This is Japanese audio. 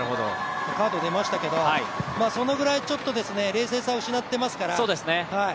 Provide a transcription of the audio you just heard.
カード出ましたけど、そのぐらい冷静さを失っていますから。